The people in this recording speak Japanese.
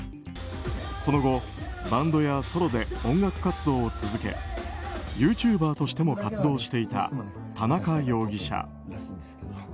その後、バンドやソロで音楽活動を続けユーチューバーとしても活動していた田中容疑者。